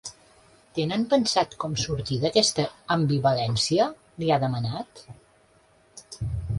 Tenen pensat com sortir d’aquesta ambivalència?, li ha demanat.